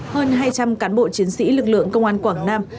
hơn hai trăm linh cán bộ chiến sĩ lực lượng công an quảng nam